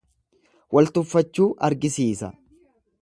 Wal tuffachuu argisiisa.